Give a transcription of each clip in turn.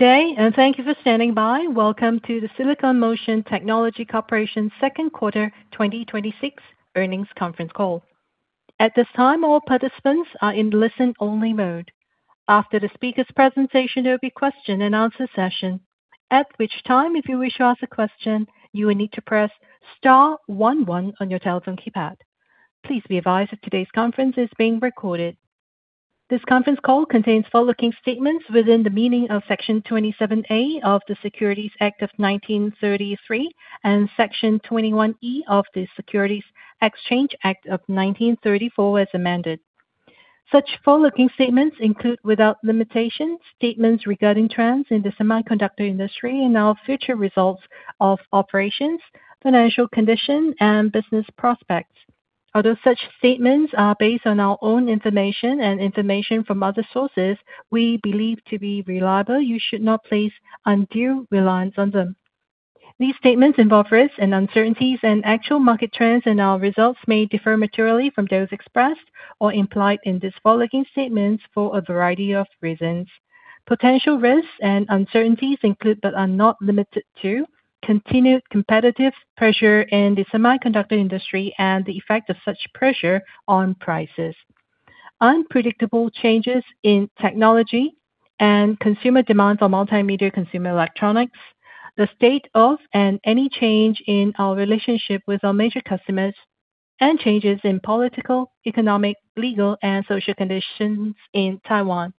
Good day, thank you for standing by. Welcome to the Silicon Motion Technology Corporation Second Quarter 2026 Earnings Conference Call. At this time, all participants are in listen-only mode. After the speaker's presentation, there will be a question-and-answer session. At which time, if you wish to ask a question, you will need to press star one one on your telephone keypad. Please be advised that today's conference is being recorded. This conference call contains forward-looking statements within the meaning of Section 27A of the Securities Act of 1933 and Section 21E of the Securities Exchange Act of 1934, as amended. Such forward-looking statements include, without limitation, statements regarding trends in the semiconductor industry and our future results of operations, financial condition, and business prospects. Although such statements are based on our own information and information from other sources we believe to be reliable, you should not place undue reliance on them. These statements involve risks and uncertainties, actual market trends and our results may differ materially from those expressed or implied in these forward-looking statements for a variety of reasons. Potential risks and uncertainties include, are not limited to, continued competitive pressure in the semiconductor industry and the effect of such pressure on prices. Unpredictable changes in technology and consumer demand for multimedia consumer electronics, the state of and any change in our relationship with our major customers, changes in political, economic, legal, and social conditions in Taiwan.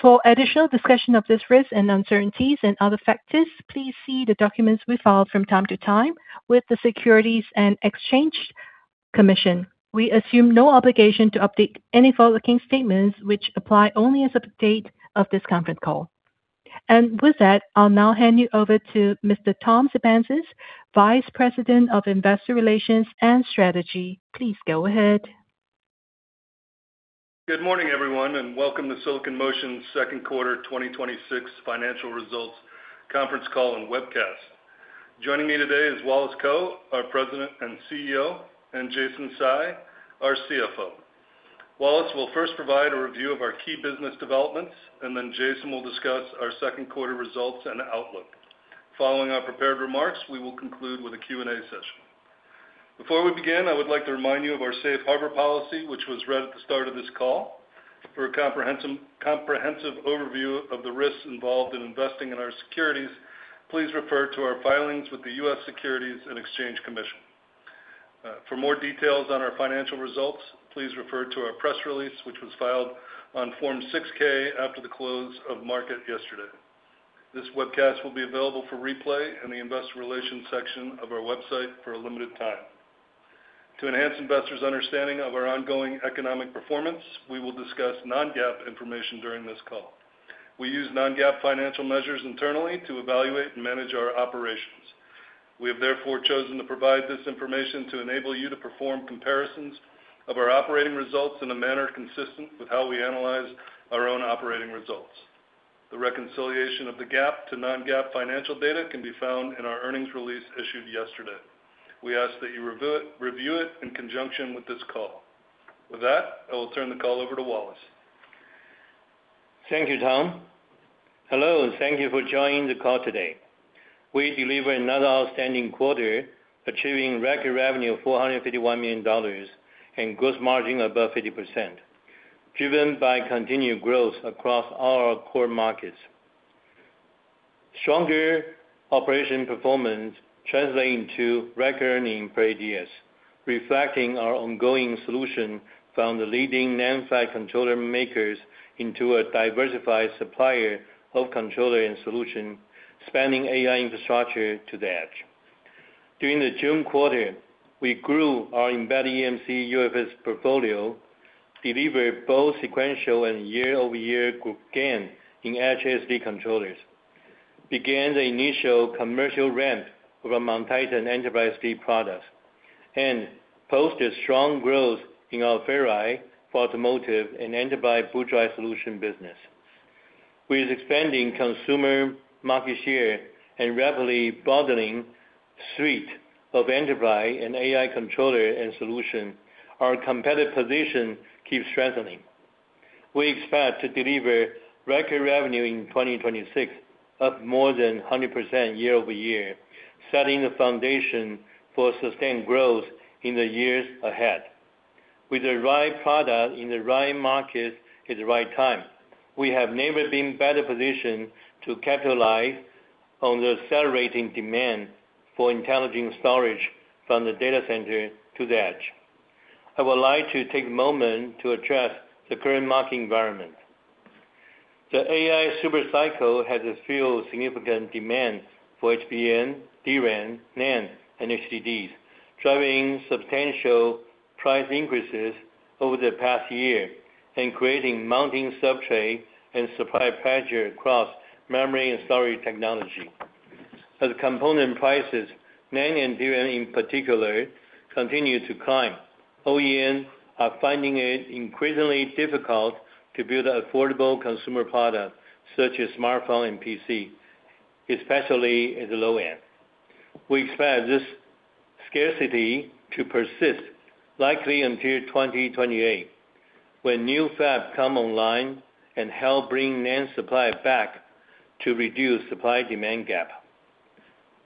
For additional discussion of these risks and uncertainties and other factors, please see the documents we file from time to time with the Securities and Exchange Commission. We assume no obligation to update any forward-looking statements, which apply only as of the date of this conference call. With that, I'll now hand you over to Mr. Tom Sepenzis, Vice President of Investor Relations and Strategy. Please go ahead. Good morning, everyone, welcome to Silicon Motion's second quarter 2026 financial results conference call and webcast. Joining me today is Wallace Kou, our President and CEO, Jason Tsai, our CFO. Wallace will first provide a review of our key business developments, then Jason will discuss our second quarter results and outlook. Following our prepared remarks, we will conclude with a Q&A session. Before we begin, I would like to remind you of our safe harbor policy, which was read at the start of this call. For a comprehensive overview of the risks involved in investing in our securities, please refer to our filings with the US Securities and Exchange Commission. For more details on our financial results, please refer to our press release, which was filed on Form 6-K after the close of market yesterday. This webcast will be available for replay in the Investor Relations section of our website for a limited time. To enhance investors' understanding of our ongoing economic performance, we will discuss non-GAAP information during this call. We use non-GAAP financial measures internally to evaluate and manage our operations. We have therefore chosen to provide this information to enable you to perform comparisons of our operating results in a manner consistent with how we analyze our own operating results. The reconciliation of the GAAP to non-GAAP financial data can be found in our earnings release issued yesterday. We ask that you review it in conjunction with this call. With that, I will turn the call over to Wallace. Thank you, Tom. Hello, thank you for joining the call today. We delivered another outstanding quarter, achieving record revenue of $451 million and gross margin above 50%, driven by continued growth across all our core markets. Stronger operation performance translating to record earnings per ADS, reflecting our ongoing solution from the leading NAND flash controller makers into a diversified supplier of controller and solution spanning AI infrastructure to the edge. During the June quarter, we grew our embedded eMMC UFS portfolio, delivered both sequential and year-over-year gain in HSG controllers, began the initial commercial ramp of our MonTitan enterprise SSD products, and posted strong growth in our Ferri for automotive and enterprise boot drive solution business. With expanding consumer market share and rapidly broadening suite of enterprise and AI controller and solution, our competitive position keeps strengthening. We expect to deliver record revenue in 2026, up more than 100% year-over-year, setting the foundation for sustained growth in the years ahead. With the right product in the right market at the right time, we have never been better positioned to capitalize on the accelerating demand for intelligent storage from the data center to the edge. I would like to take a moment to address the current market environment. The AI super cycle has fueled significant demand for HBM, DRAM, NAND, and HDDs, driving substantial price increases over the past year and creating mounting substrate and supply pressure across memory and storage technology. As component prices, NAND and DRAM in particular, continue to climb, OEMs are finding it increasingly difficult to build affordable consumer products such as smartphone and PC, especially at the low end. We expect this scarcity to persist likely until 2028, when new fab come online and help bring NAND supply back to reduce supply-demand gap.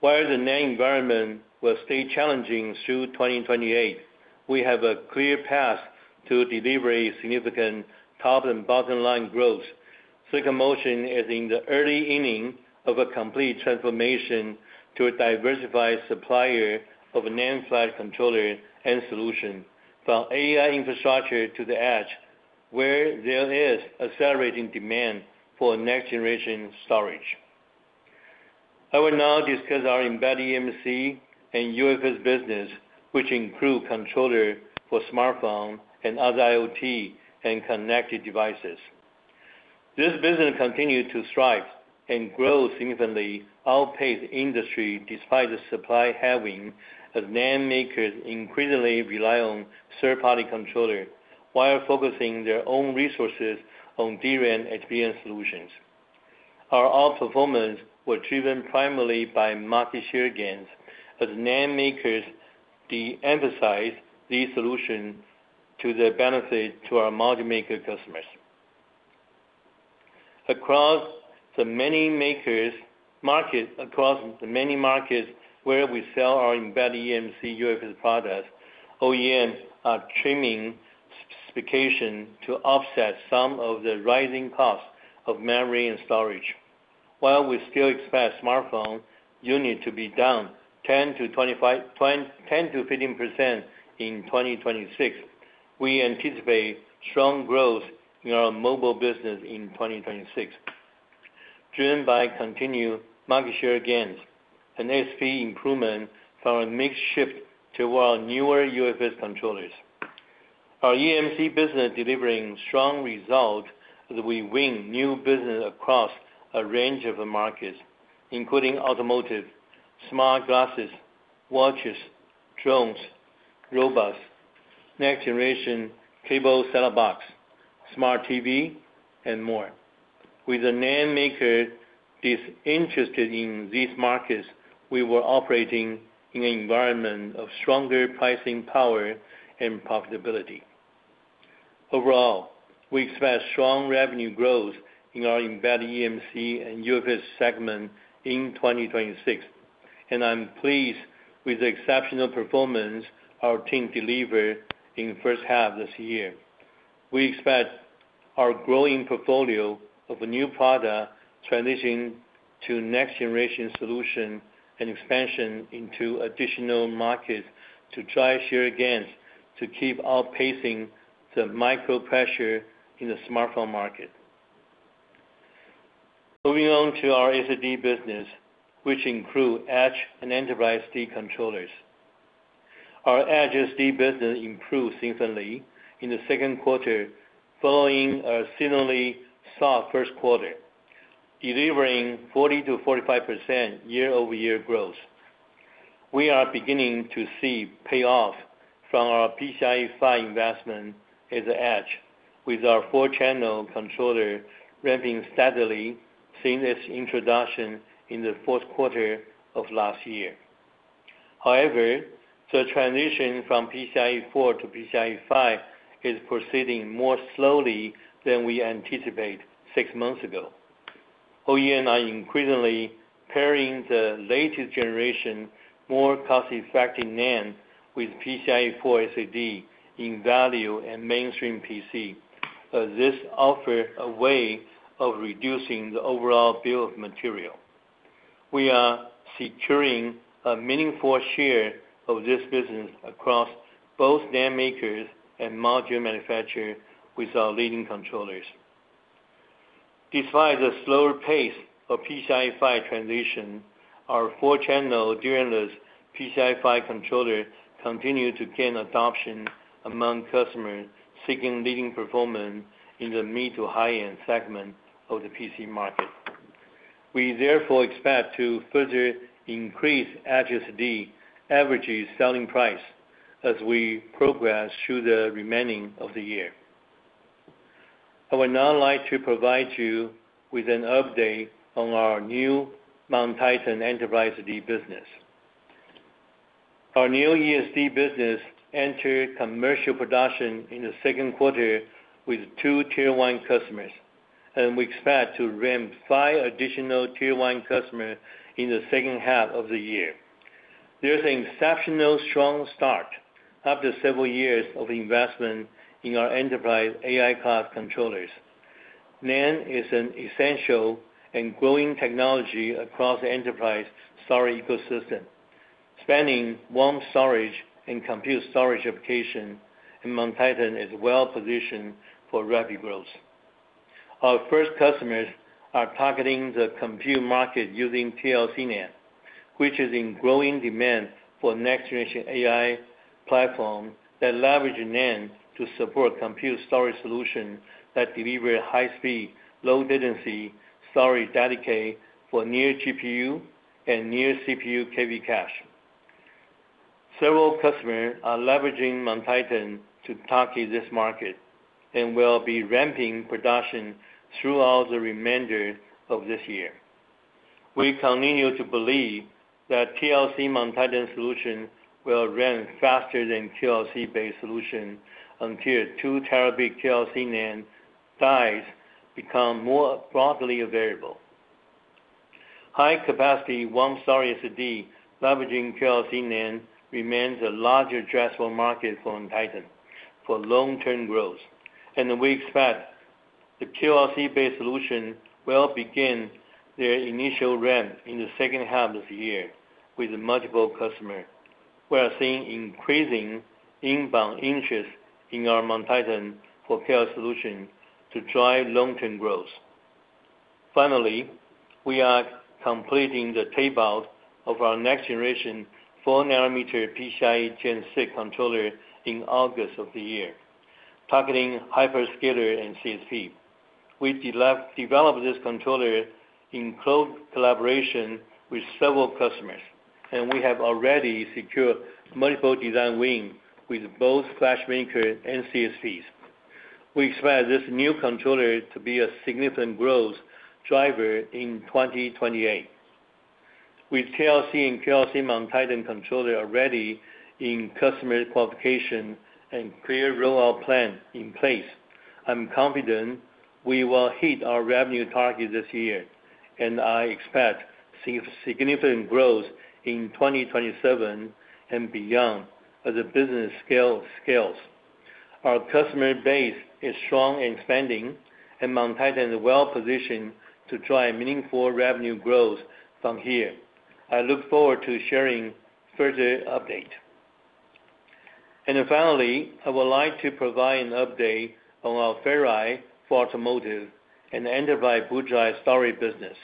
While the NAND environment will stay challenging through 2028, we have a clear path to deliver a significant top and bottom line growth. Silicon Motion is in the early inning of a complete transformation to a diversified supplier of a NAND flash controller and solution from AI infrastructure to the edge, where there is accelerating demand for next generation storage. I will now discuss our embedded eMMC and UFS business, which include controller for smartphone and other IoT and connected devices. This business continued to strive and grow significantly, outpace the industry despite the supply having as NAND makers increasingly rely on third-party controller while focusing their own resources on DRAM x DRAM solutions. Our outperformance were driven primarily by market share gains as NAND makers de-emphasize these solutions to the benefit to our module maker customers. Across the many markets where we sell our embedded eMMC UFS products, OEMs are trimming specification to offset some of the rising cost of memory and storage. While we still expect smartphone unit to be down 10%-15% in 2026, we anticipate strong growth in our mobile business in 2026, driven by continued market share gains and ASP improvement from a mix shift to our newer UFS controllers. Our eMMC business delivering strong result as we win new business across a range of markets, including automotive, smart glasses, watches, drones, robots, next generation cable set-top box, smart TV, and more. With the NAND maker is interested in these markets, we were operating in an environment of stronger pricing power and profitability. Overall, we expect strong revenue growth in our embedded eMMC and UFS segment in 2026, and I'm pleased with the exceptional performance our team delivered in the first half of this year. We expect our growing portfolio of a new product transitioning to next generation solution and expansion into additional markets to drive share gains to keep outpacing the micro pressure in the smartphone market. Moving on to our SSD business, which include edge and enterprise SSD controllers. Our edge SSD business improved significantly in the second quarter, following a seasonally soft first quarter, delivering 40%-45% year-over-year growth. We are beginning to see payoff from our PCIe 5.0 investment as an edge with our four-channel controller ramping steadily since its introduction in the fourth quarter of last year. However, the transition from PCIe 4.0 to PCIe 5.0 is proceeding more slowly than we anticipate six months ago. OEM are increasingly pairing the latest generation, more cost-effective NAND with PCIe 4.0 SSD in value and mainstream PC, as this offer a way of reducing the overall bill of material. We are securing a meaningful share of this business across both NAND makers and module manufacturer with our leading controllers. Despite the slower pace of PCIe 5.0 transition, our four-channel DRAM-less PCIe 5.0 controller continue to gain adoption among customers seeking leading performance in the mid to high-end segment of the PC market. We therefore expect to further increase edge SSD average selling price as we progress through the remaining of the year. I would now like to provide you with an update on our new MonTitan enterprise SSD business. Our new ESSD business entered commercial production in the second quarter with two Tier 1 customers, and we expect to ramp five additional Tier 1 customer in the second half of the year. There's exceptional strong start after several years of investment in our enterprise AI cloud controllers. NAND is an essential and growing technology across the enterprise storage ecosystem, spanning warm storage and compute storage application, and MonTitan is well-positioned for rapid growth. Our first customers are targeting the compute market using TLC NAND, which is in growing demand for next generation AI platform that leverage NAND to support compute storage solution that deliver high speed, low latency storage dedicated for near GPU and near CPU KV cache. Several customers are leveraging MonTitan to target this market and will be ramping production throughout the remainder of this year. We continue to believe that TLC MonTitan solution will run faster than QLC-based solution until 2 TB QLC NAND dies become more broadly available. High-capacity, 1 TB SSD leveraging QLC NAND remains a large addressable market for MonTitan for long-term growth. We expect the QLC-based solution will begin their initial ramp in the second half of the year with multiple customers. We are seeing increasing inbound interest in our MonTitan for QLC solution to drive long-term growth. Finally, we are completing the tape-out of our next-generation 4 nm PCIe Gen 6 controller in August of the year, targeting hyperscaler and CSP. We developed this controller in close collaboration with several customers, and we have already secured multiple design wins with both flash maker and CSPs. We expect this new controller to be a significant growth driver in 2028. With TLC and QLC MonTitan controller already in customer qualification and clear rollout plan in place, I'm confident we will hit our revenue target this year, and I expect to see significant growth in 2027 and beyond as the business scales. Our customer base is strong and expanding, and MonTitan is well-positioned to drive meaningful revenue growth from here. I look forward to sharing further update. Then finally, I would like to provide an update on our Ferri for automotive and enterprise boot drive storage business.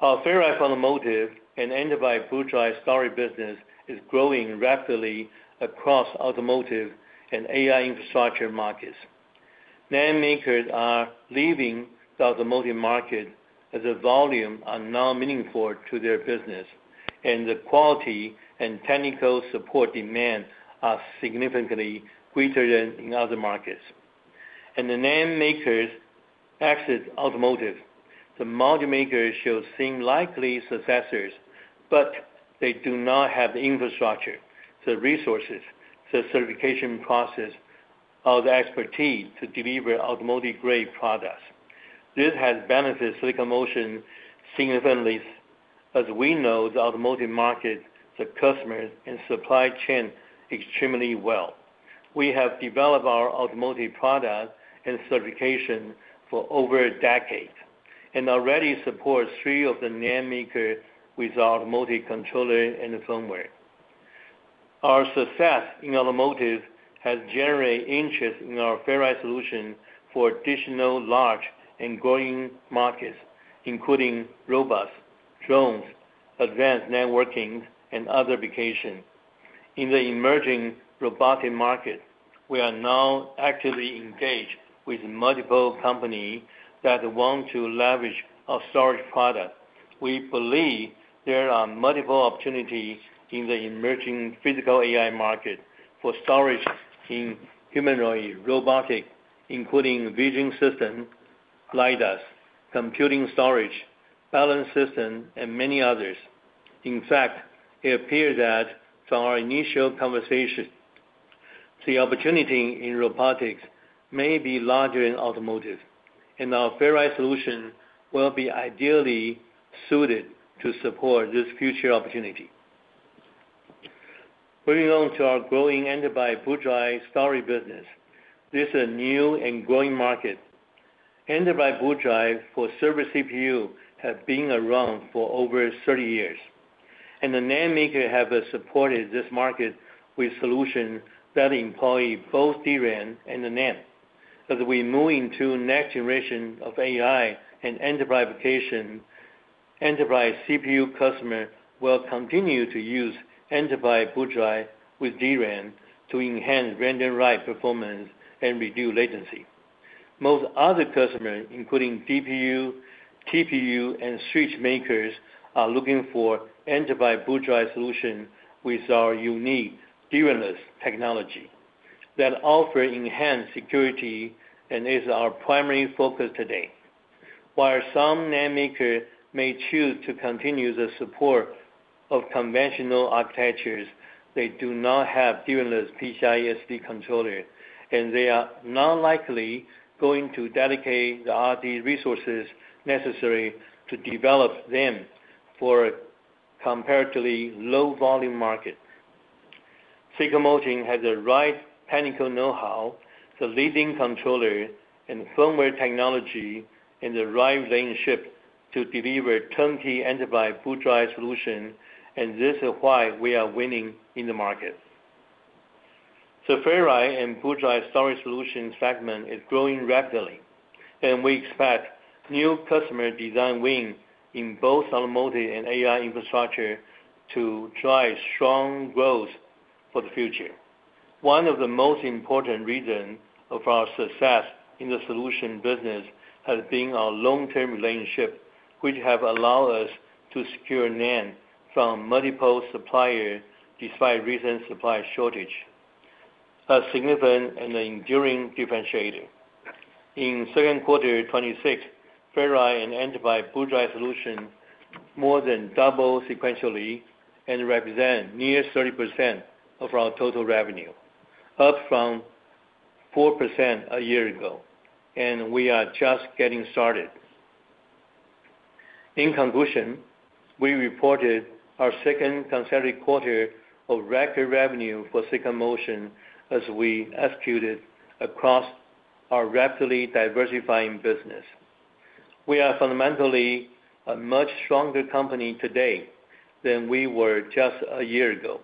Our Ferri for automotive and enterprise boot drive storage business is growing rapidly across automotive and AI infrastructure markets. NAND makers are leaving the automotive market as the volume are now meaningful to their business, and the quality and technical support demand are significantly greater than in other markets. As the NAND makers exit automotive, the module makers should seem likely successors, but they do not have the infrastructure, the resources, the certification process, or the expertise to deliver automotive-grade products. This has benefited Silicon Motion significantly as we know the automotive market, the customers, and supply chain extremely well. We have developed our automotive product and certification for over a decade and already support three of the NAND maker with our automotive controller and firmware. Our success in automotive has generated interest in our Ferri solution for additional large and growing markets, including robots, drones, advanced networking, and other applications. In the emerging robotic market, we are now actively engaged with multiple company that want to leverage our storage product. We believe there are multiple opportunities in the emerging physical AI market for storage in humanoid robotic, including vision system, LIDARs, computing storage, balance system, and many others. In fact, it appears that from our initial conversation, the opportunity in robotics may be larger than automotive, and our Ferri solution will be ideally suited to support this future opportunity. Moving on to our growing enterprise boot drive storage business. This is a new and growing market. Enterprise boot drive for server CPU have been around for over 30 years, and the NAND maker have supported this market with solutions that employ both DRAM and the NAND. As we move into next generation of AI and enterprise application, enterprise CPU customer will continue to use enterprise boot drive with DRAM to enhance random write performance and reduce latency. Most other customers, including DPU, TPU, and switch makers, are looking for enterprise boot drive solution with our unique DRAM-less technology that offer enhanced security and is our primary focus today. While some NAND maker may choose to continue the support of conventional architectures, they do not have DRAM-less PCIe SSD controller, and they are not likely going to dedicate the R&D resources necessary to develop them for a comparatively low-volume market. Silicon Motion has the right technical knowhow, the leading controller and firmware technology and the right relationship to deliver turnkey enterprise boot drive solution, and this is why we are winning in the market. Ferri and boot drive storage solution segment is growing rapidly, and we expect new customer design win in both automotive and AI infrastructure to drive strong growth for the future. One of the most important reasons of our success in the solution business has been our long-term relationship, which have allowed us to secure NAND from multiple suppliers despite recent supply shortage, a significant and enduring differentiator. In second quarter 2026, Ferri and enterprise boot drive solution more than double sequentially and represent near 30% of our total revenue, up from 4% a year ago. We are just getting started. In conclusion, we reported our second consecutive quarter of record revenue for Silicon Motion as we executed across our rapidly diversifying business. We are fundamentally a much stronger company today than we were just a year ago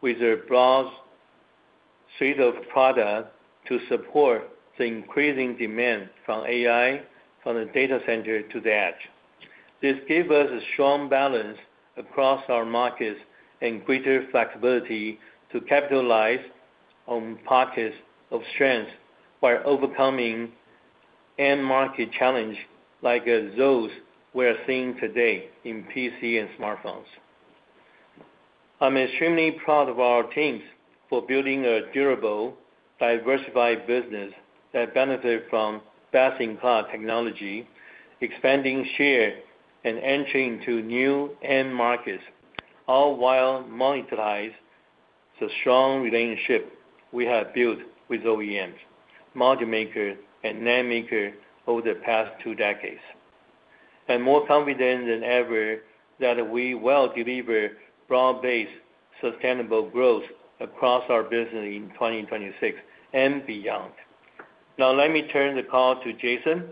with a broad suite of product to support the increasing demand from AI, from the data center to the edge. This gave us a strong balance across our markets and greater flexibility to capitalize on pockets of strength while overcoming end market challenge like those we're seeing today in PC and smartphones. I'm extremely proud of our teams for building a durable, diversified business that benefit from best-in-class technology, expanding share, and entering to new end markets, all while monetize the strong relationship we have built with OEMs, module makers, and NAND makers over the past two decades. I'm more confident than ever that we will deliver broad-based, sustainable growth across our business in 2026 and beyond. Let me turn the call to Jason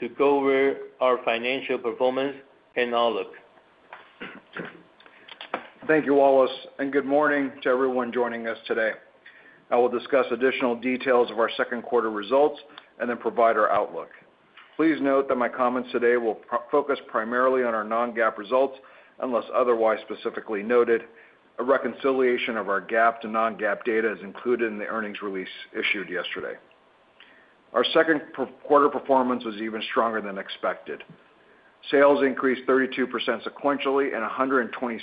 to go over our financial performance and outlook. Thank you, Wallace. Good morning to everyone joining us today. I will discuss additional details of our second quarter results and then provide our outlook. Please note that my comments today will focus primarily on our non-GAAP results, unless otherwise specifically noted. A reconciliation of our GAAP to non-GAAP data is included in the earnings release issued yesterday. Our second quarter performance was even stronger than expected. Sales increased 32% sequentially and 127%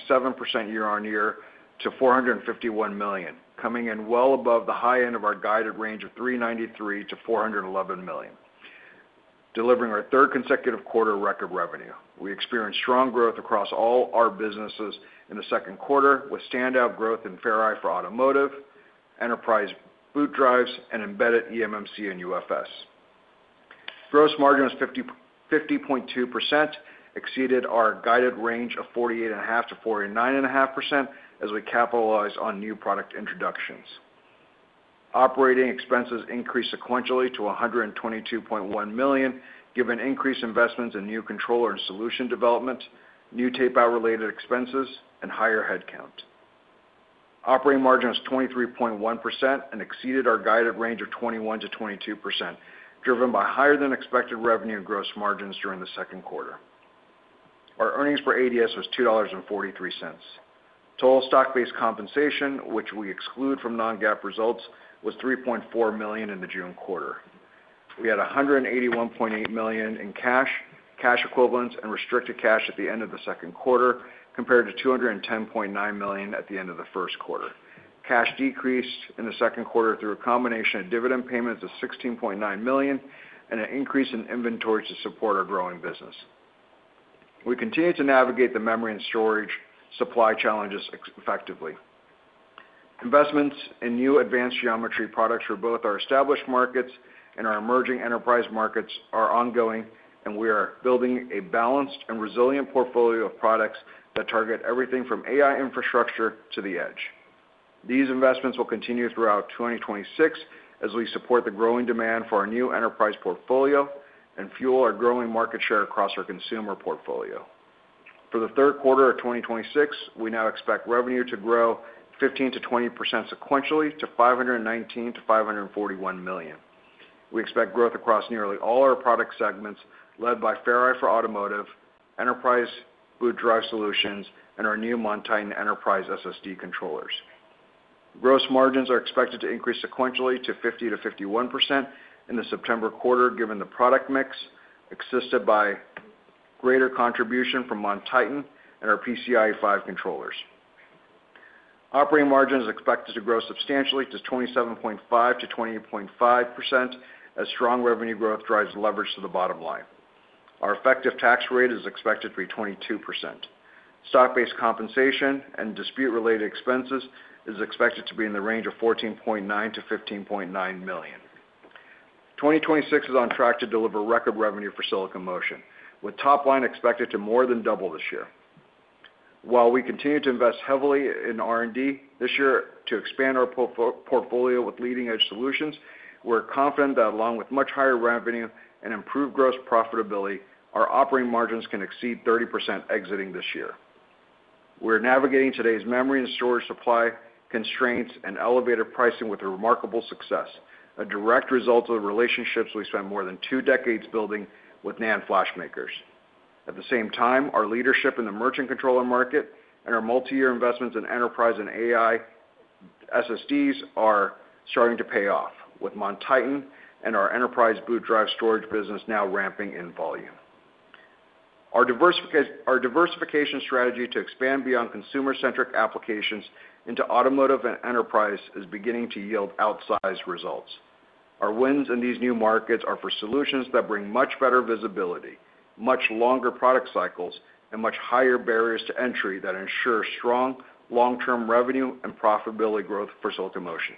year-over-year to $451 million, coming in well above the high end of our guided range of $393 million-$411 million, delivering our third consecutive quarter record revenue. We experienced strong growth across all our businesses in the second quarter with standout growth in Ferri for automotive, enterprise boot drives, and embedded eMMC and UFS. Gross margin was 50.2%, exceeded our guided range of 48.5%-49.5% as we capitalize on new product introductions. Operating expenses increased sequentially to $122.1 million, given increased investments in new controller and solution development, new tape-out related expenses, and higher headcount. Operating margin was 23.1% and exceeded our guided range of 21%-22%, driven by higher than expected revenue and gross margins during the second quarter. Our earnings per ADS was $2.43. Total stock-based compensation, which we exclude from non-GAAP results, was $3.4 million in the June quarter. We had $181.8 million in cash equivalents, and restricted cash at the end of the second quarter, compared to $210.9 million at the end of the first quarter. Cash decreased in the second quarter through a combination of dividend payments of $16.9 million and an increase in inventory to support our growing business. We continue to navigate the memory and storage supply challenges effectively. Investments in new advanced geometry products for both our established markets and our emerging enterprise markets are ongoing. We are building a balanced and resilient portfolio of products that target everything from AI infrastructure to the edge. These investments will continue throughout 2026 as we support the growing demand for our new enterprise portfolio and fuel our growing market share across our consumer portfolio. For the third quarter of 2026, we now expect revenue to grow 15%-20% sequentially to $519 million-$541 million. We expect growth across nearly all our product segments led by Ferri for automotive, enterprise boot drive solutions, and our new MonTitan enterprise SSD controllers. Gross margins are expected to increase sequentially to 50%-51% in the September quarter, given the product mix assisted by greater contribution from MonTitan and our PCIe 5.0 controllers. Operating margin is expected to grow substantially to 27.5%-28.5% as strong revenue growth drives leverage to the bottom line. Our effective tax rate is expected to be 22%. Stock-based compensation and dispute-related expenses is expected to be in the range of $14.9 million-$15.9 million. 2026 is on track to deliver record revenue for Silicon Motion, with top line expected to more than double this year. While we continue to invest heavily in R&D this year to expand our portfolio with leading-edge solutions, we are confident that along with much higher revenue and improved gross profitability, our operating margins can exceed 30% exiting this year. We are navigating today's memory and storage supply constraints and elevated pricing with a remarkable success, a direct result of the relationships we spent more than two decades building with NAND flash makers. At the same time, our leadership in the merchant controller market and our multi-year investments in enterprise and AI SSDs are starting to pay off with MonTitan and our enterprise boot drive storage business now ramping in volume. Our diversification strategy to expand beyond consumer-centric applications into automotive and enterprise is beginning to yield outsized results. Our wins in these new markets are for solutions that bring much better visibility, much longer product cycles, and much higher barriers to entry that ensure strong long-term revenue and profitability growth for Silicon Motion.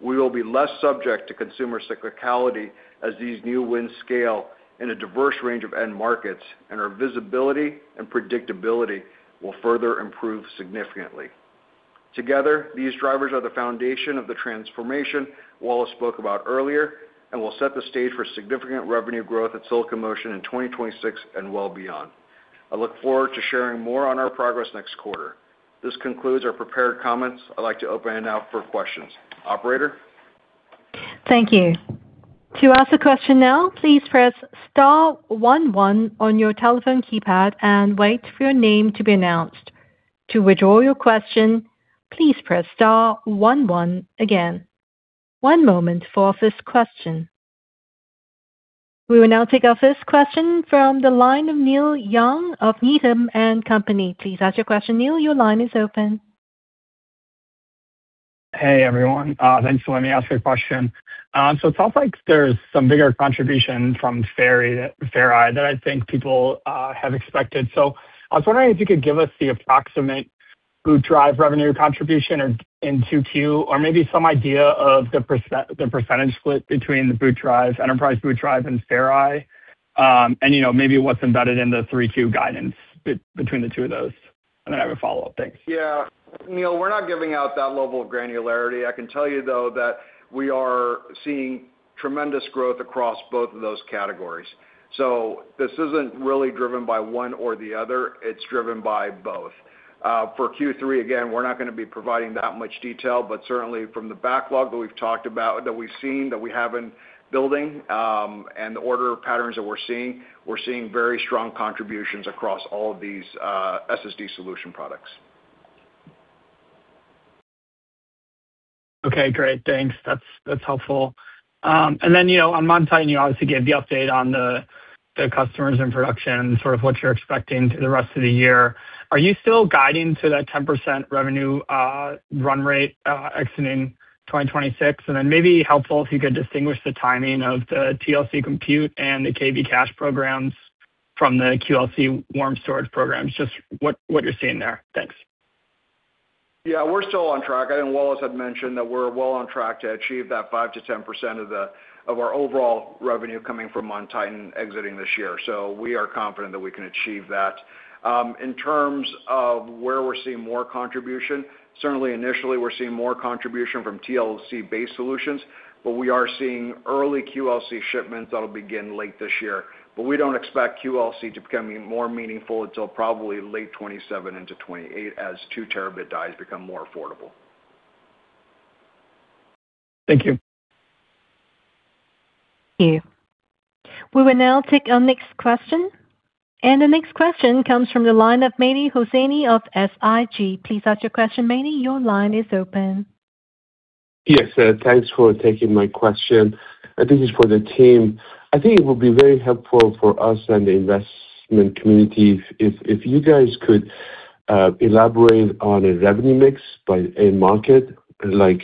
We will be less subject to consumer cyclicality as these new wins scale in a diverse range of end markets, and our visibility and predictability will further improve significantly. Together, these drivers are the foundation of the transformation Wallace spoke about earlier and will set the stage for significant revenue growth at Silicon Motion in 2026 and well beyond. I look forward to sharing more on our progress next quarter. This concludes our prepared comments. I'd like to open it now for questions. Operator? Thank you. To ask a question now, please press star one one on your telephone keypad and wait for your name to be announced. To withdraw your question, please press star one one again. One moment for first question. We will now take our first question from the line of Neil Young of Needham & Company. Please ask your question, Neil. Your line is open. Hey, everyone. Thanks for letting me ask a question. It sounds like there's some bigger contribution from Ferri that I think people have expected. I was wondering if you could give us the approximate boot drive revenue contribution in Q2 or maybe some idea of the percentage split between the boot drives, enterprise boot drive, and Ferri. Maybe what's embedded in the Q3 guidance between the two of those. I have a follow-up. Thanks. Yeah. Neil, we're not giving out that level of granularity. I can tell you, though, that we are seeing tremendous growth across both of those categories. This isn't really driven by one or the other. It's driven by both. For Q3, again, we're not going to be providing that much detail, but certainly from the backlog that we've talked about, that we've seen, that we have been building, and the order patterns that we're seeing, we're seeing very strong contributions across all of these SSD solution products. Okay, great. Thanks. That's helpful. Neil, on MonTitan, you obviously gave the update on the customers in production, sort of what you're expecting to the rest of the year. Are you still guiding to that 10% revenue run rate exiting 2026? Maybe helpful if you could distinguish the timing of the TLC compute and the KV cache programs from the QLC warm storage programs, just what you're seeing there. Thanks. Yeah. We're still on track. I think Wallace had mentioned that we're well on track to achieve that 5%-10% of our overall revenue coming from MonTitan exiting this year. We are confident that we can achieve that. In terms of where we're seeing more contribution, certainly initially we're seeing more contribution from TLC-based solutions, but we are seeing early QLC shipments that will begin late this year. We don't expect QLC to become more meaningful until probably late 2027 into 2028 as 2 Tb dies become more affordable. Thank you. We will now take our next question. The next question comes from the line of Mehdi Hosseini of SIG. Please ask your question, Mehdi. Your line is open. Yes, thanks for taking my question. I think it's for the team. I think it will be very helpful for us and the investment community if you guys could elaborate on a revenue mix by end market, like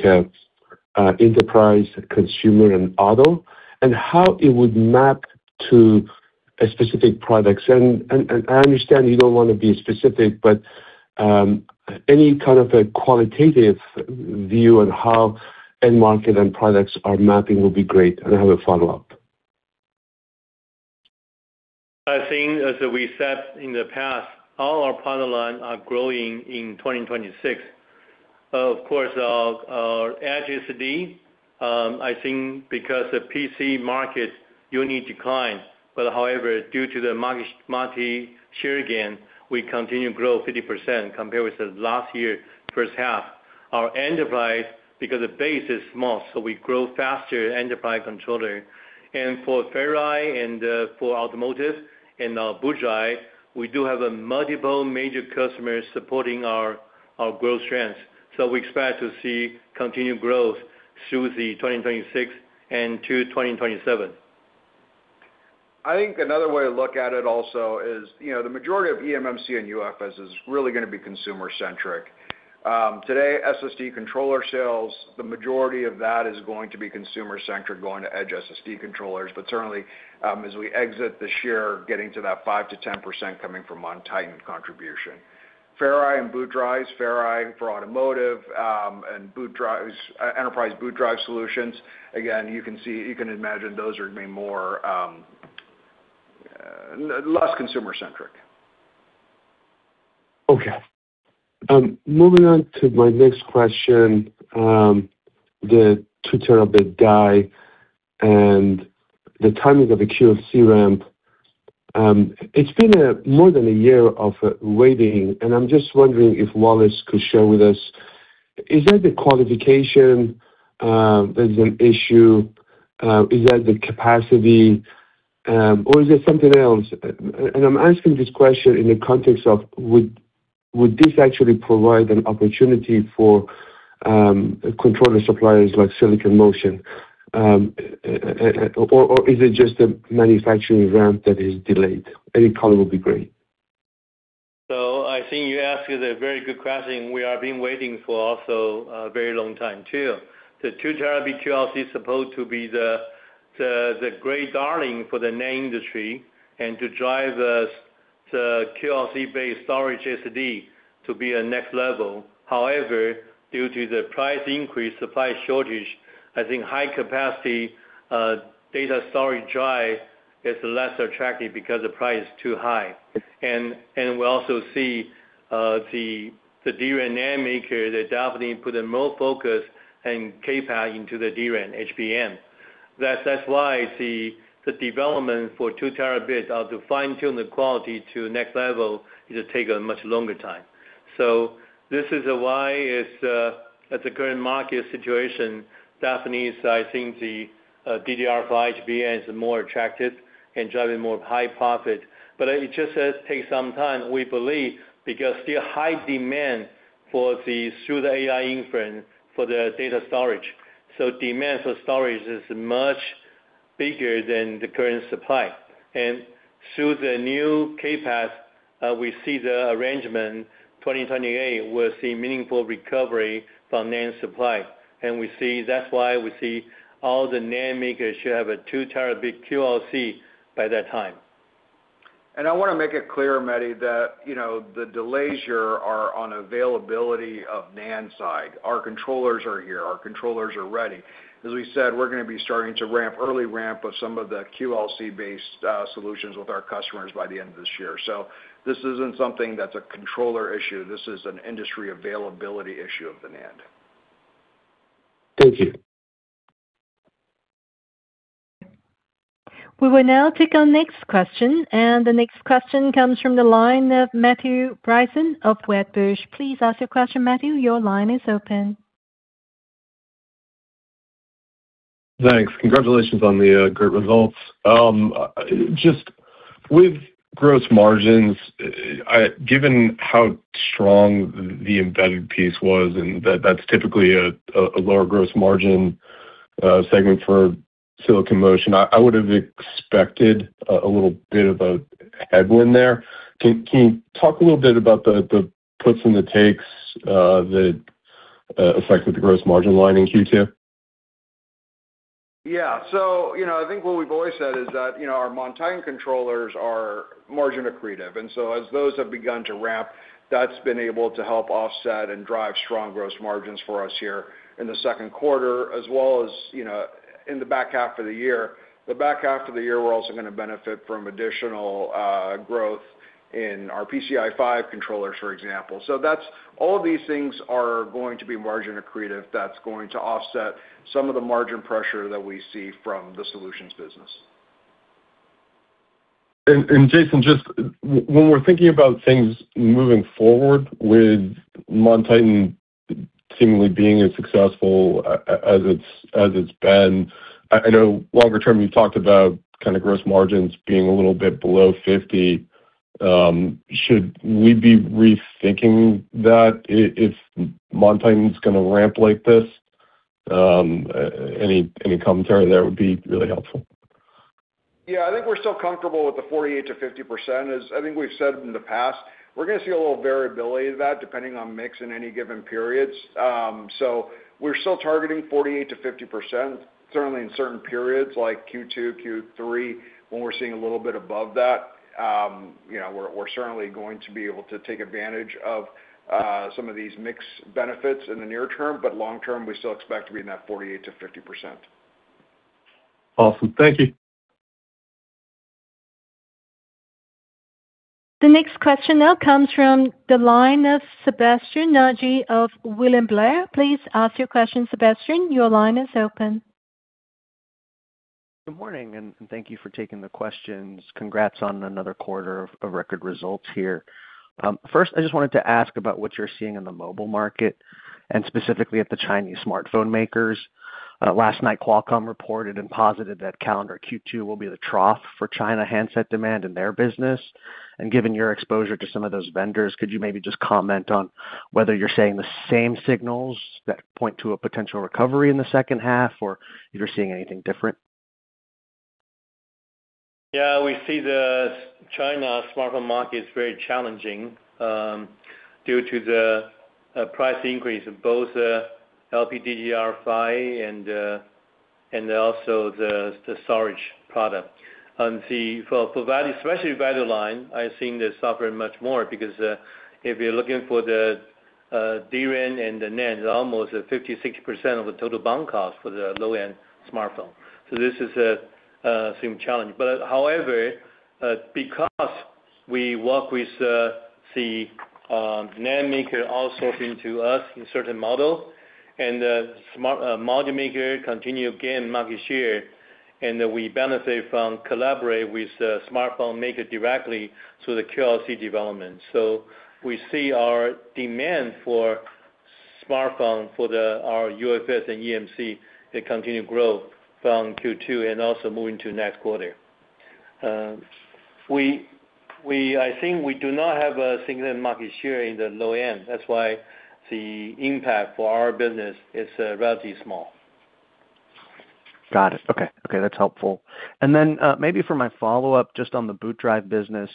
enterprise, consumer, and auto, and how it would map to specific products. I understand you don't want to be specific, but any kind of a qualitative view on how end market and products are mapping will be great. I have a follow-up. I think as we said in the past, all our product line are growing in 2026. Of course, our Edge SSD, I think because the PC market, unique decline. However, due to the market share gain, we continue to grow 50% compared with the last year, first half. Our enterprise, because the base is small, we grow faster enterprise controller. For Ferri and for automotive and our boot drive, we do have multiple major customers supporting our growth trends. We expect to see continued growth through the 2026 and to 2027. I think another way to look at it also is the majority of eMMC and UFS is really going to be consumer-centric. Today, SSD controller sales, the majority of that is going to be consumer-centric, going to Edge SSD controllers. Certainly, as we exit this year, getting to that 5%-10% coming from MonTitan contribution. Ferri and boot drives, Ferri for automotive, and enterprise boot drive solutions. Again, you can imagine those are going to be less consumer-centric. Okay. Moving on to my next question. The 2 TB die and the timing of the QLC ramp. It's been more than a year of waiting, I'm just wondering if Wallace could share with us Is that the qualification, there's an issue? Is that the capacity, or is it something else? I'm asking this question in the context of, would this actually provide an opportunity for controller suppliers like Silicon Motion, or is it just a manufacturing ramp that is delayed? Any comment will be great. I think you asked a very good question. We have been waiting for also a very long time, too. The 2 TB QLC is supposed to be the great darling for the NAND industry and to drive us to QLC-based storage SSD to be a next level. However, due to the price increase, supply shortage, I think high capacity data storage drive is less attractive because the price is too high. We also see the DRAM NAND maker putting more focus and CAPEX into the DRAM HBM. That's why the development for 2 TB, or to fine-tune the quality to next level, is going to take a much longer time. This is why at the current market situation, I think the DDR5 HBM is more attractive and driving more high profit. It just has to take some time, we believe, because there's still high demand through the AI inference for the data storage. Demand for storage is much bigger than the current supply. Through the new CAPEX, we see the arrangement, 2028, we'll see meaningful recovery from NAND supply. That's why we see all the NAND makers should have a 2 TB QLC by that time. I want to make it clear, Mehdi, that the delays here are on availability of NAND side. Our controllers are here, our controllers are ready. As we said, we're going to be starting to early ramp of some of the QLC-based solutions with our customers by the end of this year. This isn't something that's a controller issue, this is an industry availability issue of the NAND. Thank you. We will now take our next question, and the next question comes from the line of Matthew Bryson of Wedbush. Please ask your question, Matthew. Your line is open. Thanks. Congratulations on the great results. Just with gross margins, given how strong the embedded piece was, and that's typically a lower gross margin segment for Silicon Motion, I would've expected a little bit of a headwind there. Can you talk a little bit about the puts and the takes that affected the gross margin line in Q2? Yeah. I think what we've always said is that our MonTitan controllers are margin accretive. As those have begun to ramp, that's been able to help offset and drive strong gross margins for us here in the second quarter, as well as in the back half of the year. The back half of the year, we're also going to benefit from additional growth in our PCIe 5.0 controllers, for example. All of these things are going to be margin accretive. That's going to offset some of the margin pressure that we see from the solutions business. Jason, just when we're thinking about things moving forward with MonTitan seemingly being as successful as it's been, I know longer term, you've talked about gross margins being a little bit below 50%. Should we be rethinking that, if MonTitan's going to ramp like this? Any comment there would be really helpful. Yeah. I think we're still comfortable with the 48%-50%. As I think we've said in the past, we're going to see a little variability to that depending on mix in any given periods. We're still targeting 48%-50%, certainly in certain periods like Q2, Q3, when we're seeing a little bit above that. We're certainly going to be able to take advantage of some of these mix benefits in the near term, long term, we still expect to be in that 48%-50%. Awesome. Thank you. The next question now comes from the line of Sebastien Naji of William Blair. Please ask your question, Sebastien. Your line is open. Good morning. Thank you for taking the questions. Congrats on another quarter of record results here. First, I just wanted to ask about what you're seeing in the mobile market, specifically at the Chinese smartphone makers. Last night, Qualcomm reported and posited that calendar Q2 will be the trough for China handset demand in their business. Given your exposure to some of those vendors, could you maybe just comment on whether you're seeing the same signals that point to a potential recovery in the second half, or if you're seeing anything different? We see the China smartphone market is very challenging, due to the price increase of both LPDDR5 and also the storage product. Especially value line, I've seen the software much more, because if you're looking for the DRAM and the NAND, almost 50%-60% of the total BOM cost for the low-end smartphone. This is a same challenge. However, because we work with the NAND maker outsourcing to us in certain model the smart module maker continue gain market share, and we benefit from collaborate with smartphone maker directly through the QLC development. We see our demand for smartphone, for our UFS and eMMC, they continue to grow from Q2 and also moving to next quarter. I think we do not have a significant market share in the low end. That's why the impact for our business is relatively small. Got it. Okay. That's helpful. Then, maybe for my follow-up, just on the boot drive business,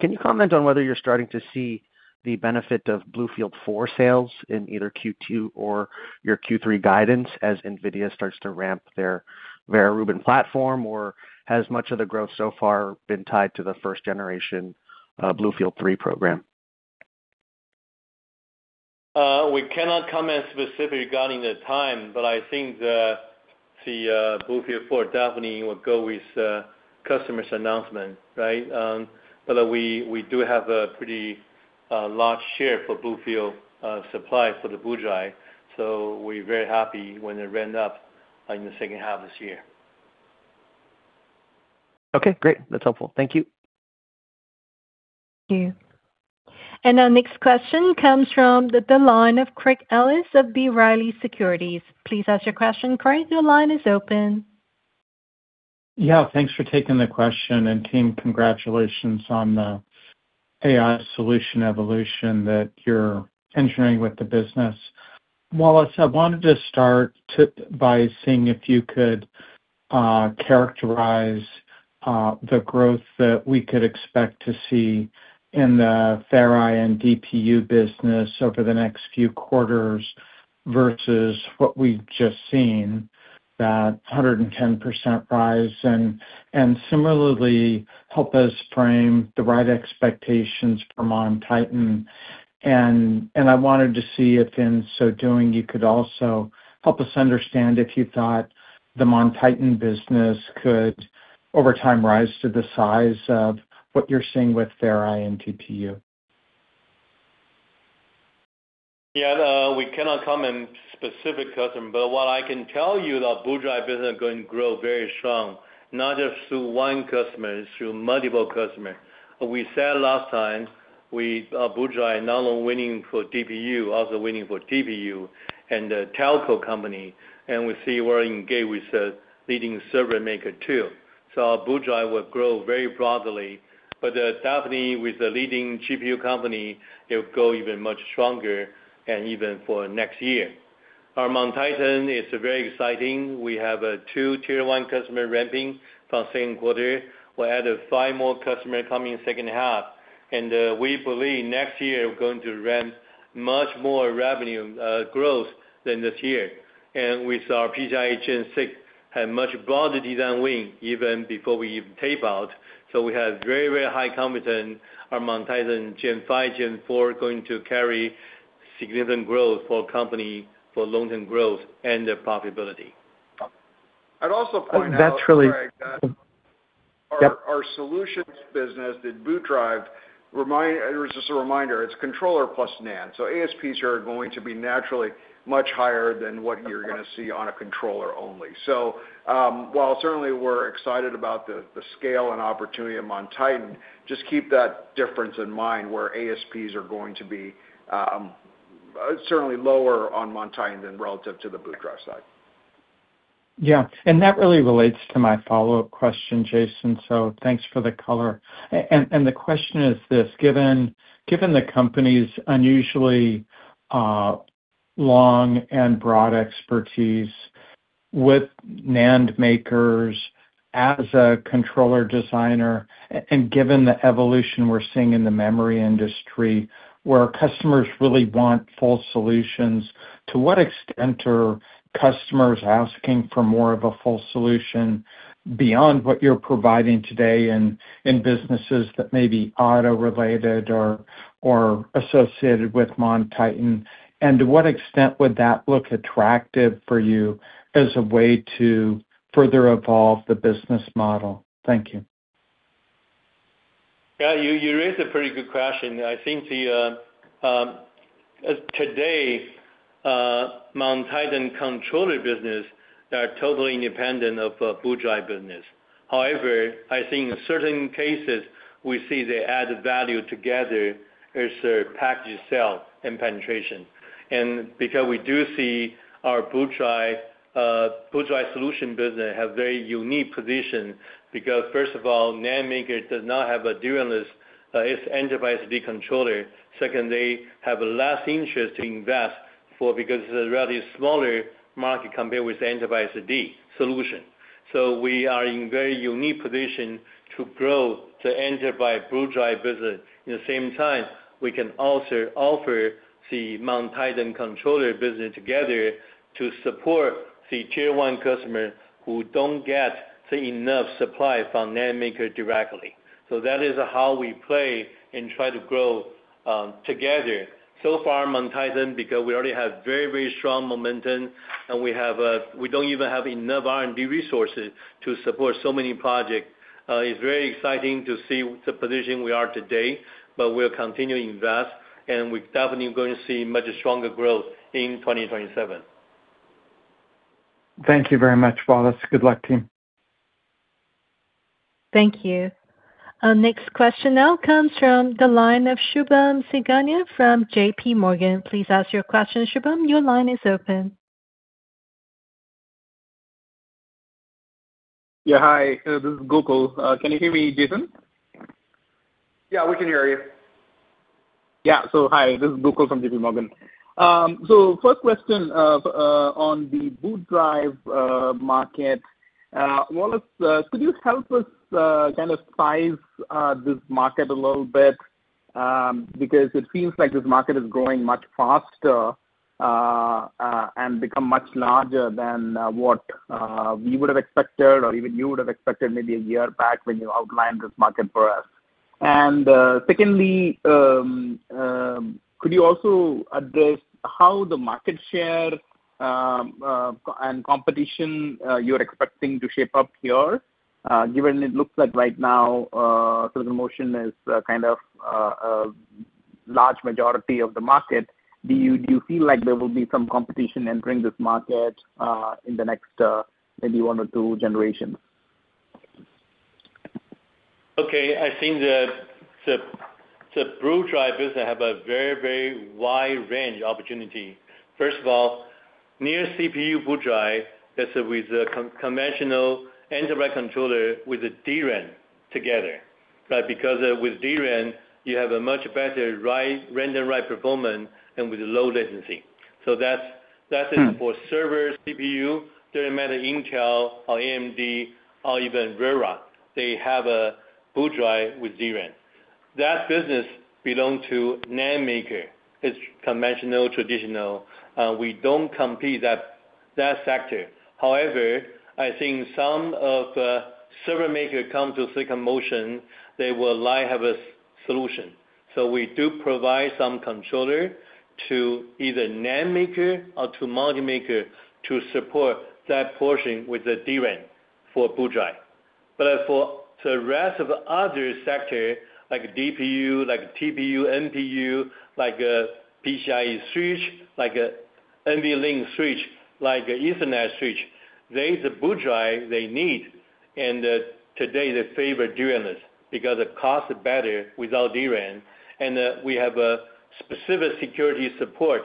can you comment on whether you're starting to see the benefit of BlueField 4 sales in either Q2 or your Q3 guidance as Nvidia starts to ramp their Vera Rubin platform? Or has much of the growth so far been tied to the first generation BlueField 3 program? We cannot comment specific regarding the time, but I think the BlueField 4 definitely would go with customer's announcement, right? We do have a pretty large share for BlueField supply for the boot drive, so we're very happy when they ramped up in the second half this year. Okay, great. That's helpful. Thank you. Thank you. Our next question comes from the line of Craig Ellis of B. Riley Securities. Please ask your question, Craig, your line is open. Yeah, thanks for taking the question. Team, congratulations on the AI solution evolution that you're engineering with the business. Wallace, I wanted to start by seeing if you could characterize the growth that we could expect to see in the Ferri and DPU business over the next few quarters versus what we've just seen, that 110% rise. Similarly, help us frame the right expectations for MonTitan. I wanted to see if in so doing, you could also help us understand if you thought the MonTitan business could, over time, rise to the size of what you're seeing with Ferri and DPU. Yeah. We cannot comment specific customer, but what I can tell you, the boot drive business is going to grow very strong, not just through one customer, it's through multiple customer. We said last time, boot drive not only winning for DPU, also winning for TPU and the telco company. We see we're engaged with a leading server maker, too. Boot drive will grow very broadly, but definitely with the leading GPU company, it will grow even much stronger and even for next year. Our MonTitan is very exciting. We have two Tier 1 customer ramping from second quarter. We'll add five more customer coming second half. We believe next year we're going to ramp much more revenue growth than this year. With our PCIe Gen 6 have much broader design win even before we even tape out. We have very, very high confidence our MonTitan Gen 5, Gen 4 are going to carry significant growth for company for long-term growth and profitability. I'd also point out, Craig. That's really Yep our solutions business in boot drive, just a reminder, it's controller plus NAND. ASPs are going to be naturally much higher than what you're going to see on a controller only. While certainly we're excited about the scale and opportunity of MonTitan, just keep that difference in mind, where ASPs are going to be certainly lower on MonTitan than relative to the boot drive side. Yeah. That really relates to my follow-up question, Jason, so thanks for the color. The question is this: Given the company's unusually long and broad expertise with NAND makers as a controller designer, and given the evolution we're seeing in the memory industry, where customers really want full solutions, to what extent are customers asking for more of a full solution beyond what you're providing today in businesses that may be auto-related or associated with MonTitan? To what extent would that look attractive for you as a way to further evolve the business model? Thank you. Yeah. You raised a pretty good question. I think, as today, MonTitan controller business are totally independent of boot drive business. However, I think in certain cases, we see the added value together as a package sale and penetration. Because we do see our boot drive solution business have very unique position, because first of all, NAND maker does not have a. It's enterprise dual-list SSD controller. Second, they have less interest to invest for, because it's a rather smaller market compared with the enterprise SSD solution. We are in very unique position to grow the enterprise boot drive business. In the same time, we can also offer the MonTitan controller business together to support the Tier 1 customer who don't get enough supply from NAND maker directly. That is how we play and try to grow together. So far, MonTitan, because we already have very, very strong momentum and we don't even have enough R&D resources to support so many projects. It's very exciting to see the position we are today. We'll continue invest, and we're definitely going to see much stronger growth in 2027. Thank you very much, Wallace. Good luck to you. Thank you. Our next question now comes from the line of Subham Singhania from JPMorgan. Please ask your question, Subham. Your line is open. Yeah. Hi. This is Gokul. Can you hear me, Jason? Yeah, we can hear you. Yeah. Hi. This is Gokul from JPMorgan. First question on the boot drive market. Wallace, could you help us kind of size this market a little bit? Because it seems like this market is growing much faster, and become much larger than what we would have expected or even you would have expected maybe a year back when you outlined this market for us. Secondly, could you also address how the market share and competition you're expecting to shape up here, given it looks like right now Silicon Motion is kind of a large majority of the market. Do you feel like there will be some competition entering this market in the next maybe one or two generations? Okay. I think the boot drive business have a very wide range opportunity. First of all, near CPU boot drive, that's with conventional enterprise controller with a DRAM together, right? Because with DRAM, you have a much better read, random write performance and with low latency. That's it for server CPU. Doesn't matter Intel or AMD or even Ferri, they have a boot drive with DRAM. That business belong to NAND maker. It's conventional, traditional. We don't compete that sector. However, I think some of the server maker come to Silicon Motion, they will likely have a solution. We do provide some controller to either NAND maker or to module maker to support that portion with the DRAM for boot drive. As for the rest of the other sector, like DPU, like TPU, NPU, like a PCIe switch, like a NVLink switch, like Ethernet switch, there is a boot drive they need. Today they favor DRAM-less, because the cost is better without DRAM. We have a specific security support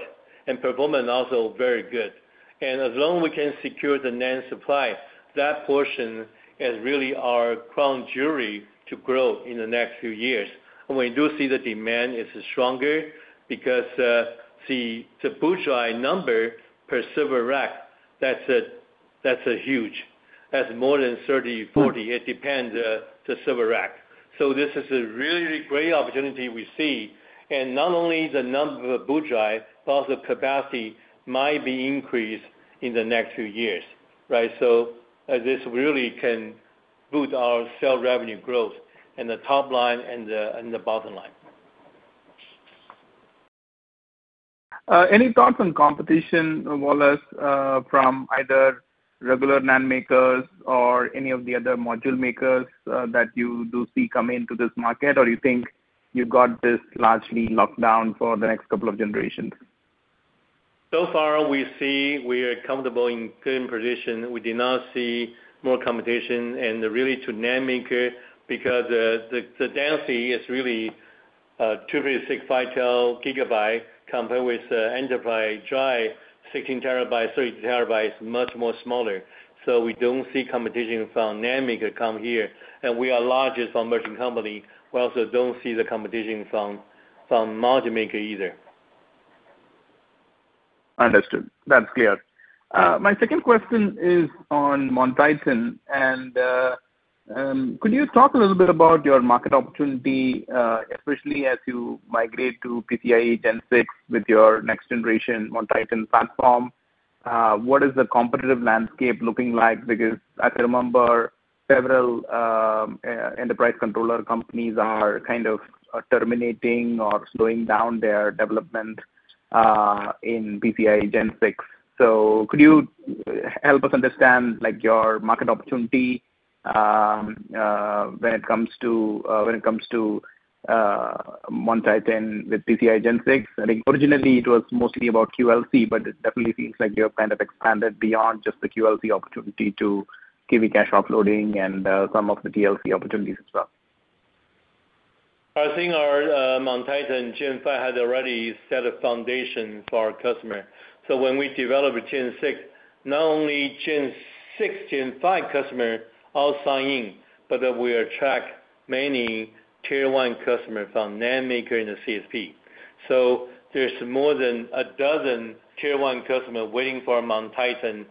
and performance also very good. As long we can secure the NAND supply, that portion is really our crown jewelry to grow in the next few years. We do see the demand is stronger because, see, the boot drive number per server rack, that's a huge. That's more than 30, 40. It depends the server rack. This is a really great opportunity we see. Not only the number of boot drive, but the capacity might be increased in the next few years, right? This really can boost our sale revenue growth in the top line and the bottom line. Any thoughts on competition, Wallace, from either regular NAND makers or any of the other module makers that you do see come into this market? Or you think you got this largely locked down for the next couple of generations? So far, we see we are comfortable in good position. We do not see more competition. Really to NAND maker, because the density is really 256 GB compared with the enterprise drive, 16 TB, 30 TB, is much more smaller. We don't see competition from NAND maker come here. We are largest on merchant company. We also don't see the competition from module maker either. Understood. That's clear. My second question is on MonTitan. Could you talk a little bit about your market opportunity, especially as you migrate to PCIe Gen 6 with your next generation MonTitan platform? What is the competitive landscape looking like? Because I can remember several enterprise controller companies are kind of terminating or slowing down their development in PCIe Gen 6. Could you help us understand your market opportunity when it comes to MonTitan with PCIe Gen 6? I think originally it was mostly about QLC, but it definitely feels like you have kind of expanded beyond just the QLC opportunity to KV cache offloading and some of the TLC opportunities as well. I think our MonTitan Gen 5 has already set a foundation for our customer. When we develop a Gen 6, not only Gen 6, Gen 5 customer all sign in, but we attract many tier 1 customer from NAND maker in the CSP. There's more than a dozen Tier 1 customer waiting for our MonTitan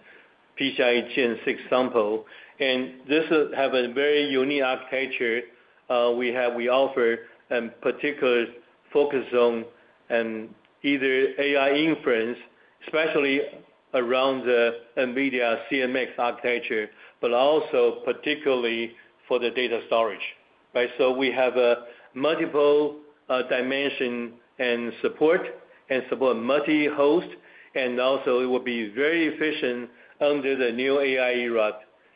PCIe Gen 6 sample. This have a very unique architecture. We offer particular focus on either AI inference, especially around the NVIDIA CMX architecture, but also particularly for the data. Right. We have a multiple dimension and support, and support multi-host, and also it will be very efficient under the new AI era.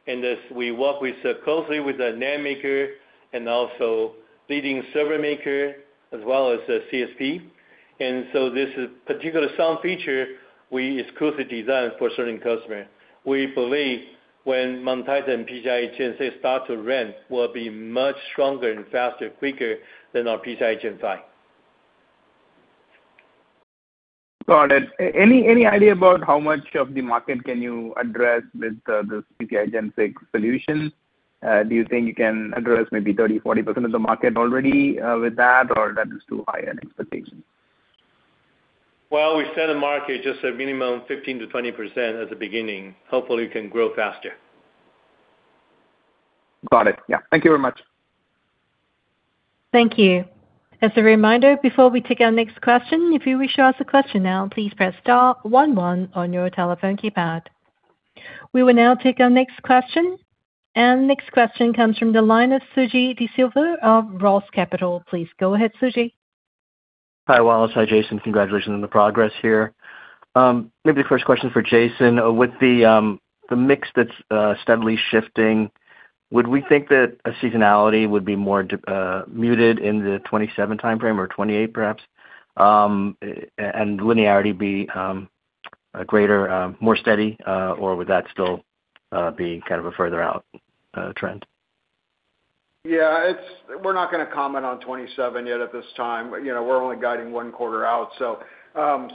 As we work closely with the NAND maker and also leading server maker as well as CSP. This particular sound feature, we exclusively designed for certain customer. We believe when MonTitan PCIe Gen 6 start to ramp, will be much stronger and faster, quicker than our PCIe Gen 5. Got it. Any idea about how much of the market can you address with the PCIe Gen 6 solutions? Do you think you can address maybe 30%, 40% of the market already with that? Or that is too high an expectation? Well, we set the market just a minimum 15%-20% as a beginning. Hopefully, it can grow faster. Got it. Yeah. Thank you very much. Thank you. As a reminder, before we take our next question, if you wish to ask a question now, please press star one one on your telephone keypad. We will now take our next question. Next question comes from the line of Suji Desilva of Roth Capital. Please go ahead, Suji. Hi, Wallace. Hi, Jason. Congratulations on the progress here. Maybe the first question for Jason. With the mix that's steadily shifting, would we think that a seasonality would be more muted in the 2027 timeframe or 2028 perhaps? Linearity be greater, more steady, or would that still be kind of a further out trend? Yeah. We're not going to comment on 2027 yet at this time. We're only guiding one quarter out,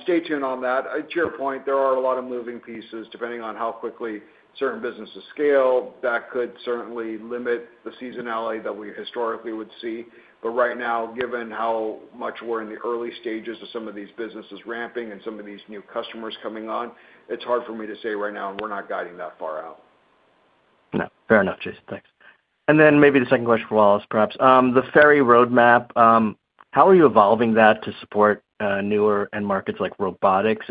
stay tuned on that. To your point, there are a lot of moving pieces. Depending on how quickly certain businesses scale, that could certainly limit the seasonality that we historically would see. Right now, given how much we're in the early stages of some of these businesses ramping and some of these new customers coming on, it's hard for me to say right now, and we're not guiding that far out. No. Fair enough, Jason. Thanks. Then maybe the second question for Wallace, perhaps. The Ferri roadmap, how are you evolving that to support newer end markets like robotics?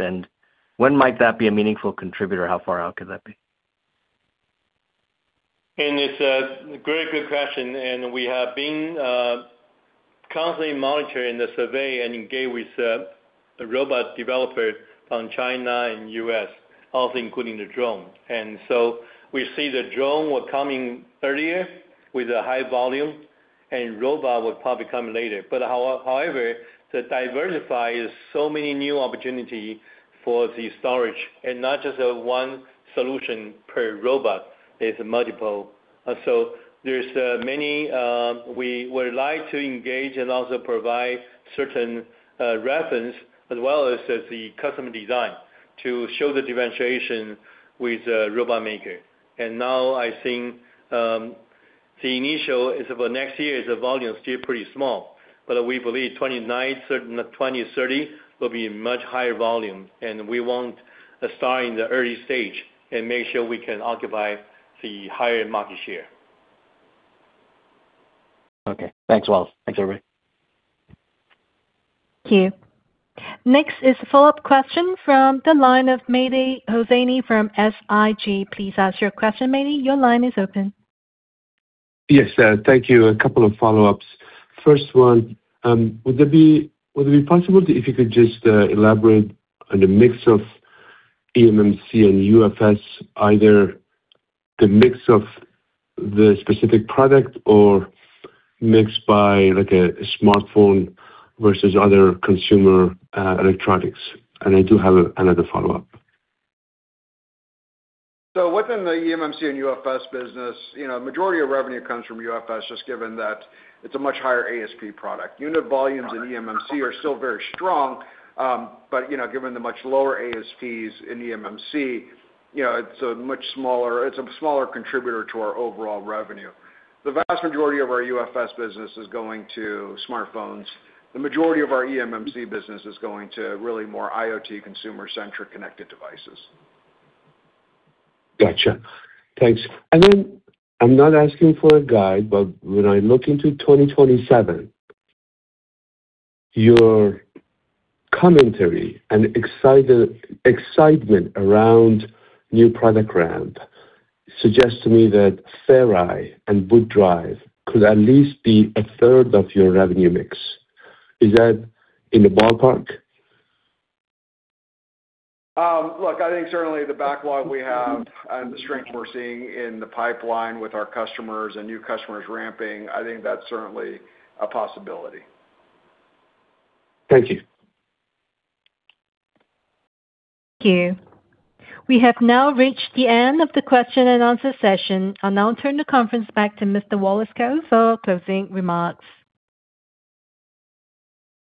When might that be a meaningful contributor? How far out could that be? It's a very good question, and we have been constantly monitoring the survey and engaged with the robot developer from China and U.S., also including the drone. We see the drone were coming earlier with a high volume, and robot will probably come later. However, to diversify is so many new opportunity for the storage and not just a one solution per robot. It's multiple. There's many, we would like to engage and also provide certain reference as well as the custom design to show the differentiation with robot maker. Now I think, the initial is about next year, the volume is still pretty small. We believe 2029, certainly 2030, will be much higher volume, and we want to start in the early stage and make sure we can occupy the higher market share. Okay. Thanks, Wallace. Thanks, everybody. Thank you. Next is a follow-up question from the line of Mehdi Hosseini from SIG. Please ask your question, Mehdi, your line is open. Yes. Thank you. A couple of follow-ups. First one, would it be possible if you could just elaborate on the mix of eMMC and UFS, either the mix of the specific product or mix by like a smartphone versus other consumer electronics? I do have another follow-up. Within the eMMC and UFS business, majority of revenue comes from UFS, just given that it's a much higher ASP product. Unit volumes in eMMC are still very strong, but given the much lower ASPs in eMMC, it's a smaller contributor to our overall revenue. The vast majority of our UFS business is going to smartphones. The majority of our eMMC business is going to really more IoT consumer-centric connected devices. Got you. Thanks. I'm not asking for a guide, but when I look into 2027, your commentary and excitement around new product ramp suggests to me that Ferri and boot drive could at least be a third of your revenue mix. Is that in the ballpark? Look, I think certainly the backlog we have and the strength we're seeing in the pipeline with our customers and new customers ramping, I think that's certainly a possibility. Thank you. Thank you. We have now reached the end of the question and answer session. I'll now turn the conference back to Mr. Wallace Kou for closing remarks.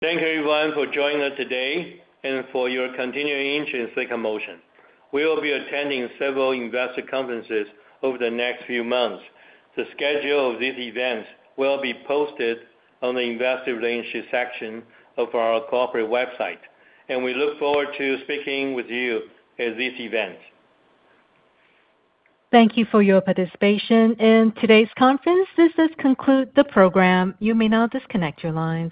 Thank you, everyone, for joining us today and for your continuing interest in Silicon Motion. We will be attending several investor conferences over the next few months. The schedule of these events will be posted on the Investor Relations section of our corporate website, and we look forward to speaking with you at these events. Thank you for your participation in today's conference. This does conclude the program. You may now disconnect your lines.